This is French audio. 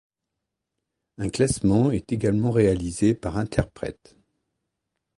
Un classement est également réalisé par interprètes.